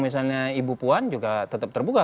misalnya ibu puan juga tetap terbuka